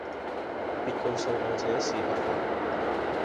別告訴我這是合法